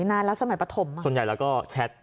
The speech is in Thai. นานแล้วสมัยปฐมส่วนใหญ่แล้วก็แชท